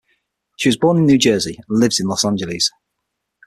She was born in New Jersey and lives in Los Angeles.